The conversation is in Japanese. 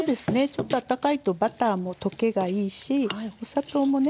ちょっとあったかいとバターも溶けがいいしお砂糖もね溶けますからね。